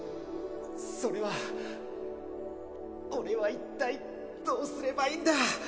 それは俺は一体どうすればいいんだ？